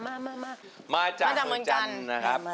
มามาจากเมืองจันทร์นะครับ